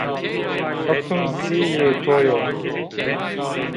Hukm zî yê to yo